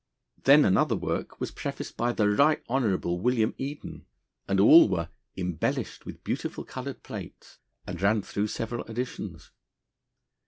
Then another work was prefaced by the Right Hon. William Eden, and all were 'embellished with beautiful coloured plates,' and ran through several editions.